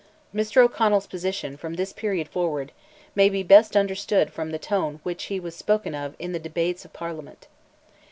Mr. O'Connell's position, from this period forward, may be best understood from the tone in which he was spoken of in the debates of Parliament.